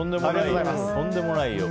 とんでもないよ。